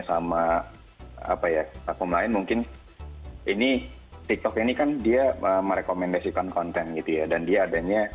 sama apa ya akun lain mungkin ini tiktok ini kan dia merekomendasikan konten gitu ya dan dia adanya